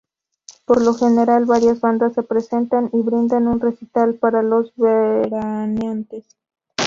Por lo general varias bandas se presentan y brindan un recital para los veraneantes.